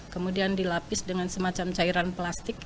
kemudian dilapis dengan semacam cairan plastik